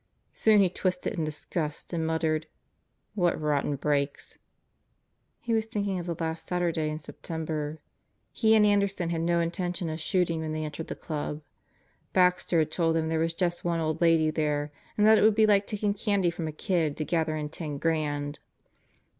Soon he twisted in disgust and muttered: "What rotten breaks!" He was thinking of the last Saturday in September. He and Anderson had no intention of shooting when they entered the Club. Baxter had told them there was just one old lady there and that it would be like taking candy from a kid to gather in ten grand.